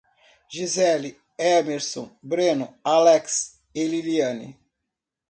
Gisele, Emerson, Breno, Alex e Liliane